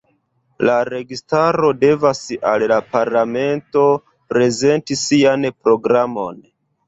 La registaro devas al la parlamento prezenti sian programon.